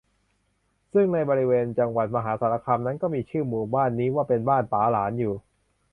ซึ่งในบริเวณจังหวัดมหาสารคามนั้น ก็มีชื่อหมู่บ้านนี้ว่าเป็นบ้านป๋าหลานอยู่